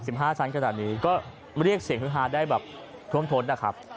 ห้าชั้นขนาดนี้ก็เรียกเสียงฮือฮาได้แบบท่วมท้นนะครับ